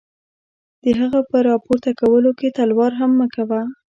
د هغه په را پورته کولو کې تلوار هم مه کوه.